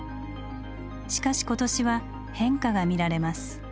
しかし今年は「変化」が見られます。